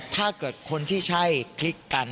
ถ้าเกิดคนที่ใช่คลิกกัน